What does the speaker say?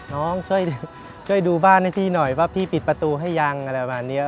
น้องช่วยดูบ้านให้พี่หน่อยว่าพี่ปิดประตูให้ยังอะไรประมาณนี้